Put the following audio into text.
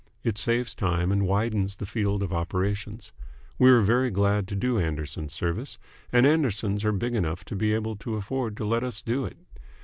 It saves time and widens the field of operations. We are very glad to do Anderson's service, and Anderson's are big enough to be able to afford to let us do it.